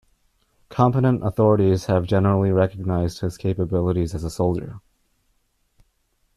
Competent authorities have generally recognised his capabilities as a soldier.